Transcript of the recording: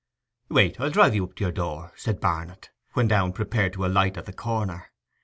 'Wait—I'll drive you up to your door,' said Barnet, when Downe prepared to alight at the corner.